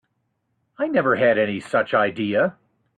I never had any such idea.